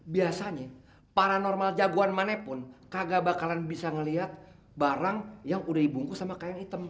biasanya paranormal jagoan manapun kagak bakalan bisa melihat barang yang udah dibungkus sama kain hitam